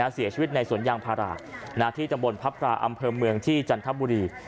เสียชีวิตในสวนยางพาราที่ตำบลพระพราอำเภอเมืองที่จันทบุรี